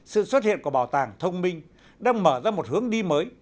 sự xuất hiện của bảo tàng thông minh đang mở ra một hướng đi mới